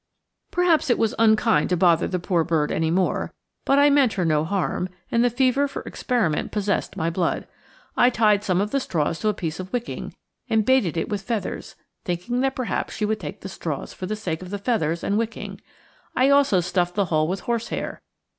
Perhaps it was unkind to bother the poor bird any more, but I meant her no harm and the fever for experiment possessed my blood. I tied some of the straws to a piece of wicking and baited it with feathers, thinking that perhaps she would take the straws for the sake of the feathers and wicking. I also stuffed the hole with horsehair.